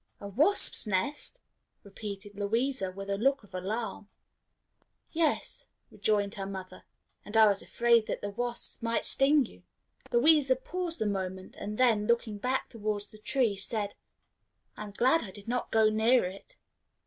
"A wasp's nest!" repeated Louisa, with a look of alarm. "Yes," rejoined her mother, "and I was afraid that the wasps might sting you." Louisa paused a moment, and then, looking back towards the tree, said, "I am glad I did not go near it."